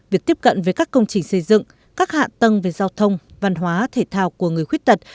việc tiếp cận với các công trình xây dựng các hạ tầng về giao thông văn hóa thể thao của người khuyết tật